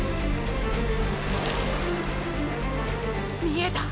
見えた！！